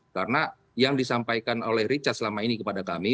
karena yang disampaikan oleh richard selama ini kepada kami